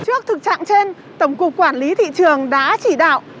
trước thực trạng trên tổng cục quản lý thị trường đã chỉ đạo